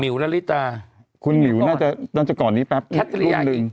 หมิวนาฬิตาน่าจะก่อนนี้แปบ๑รุ่นหนึ่ง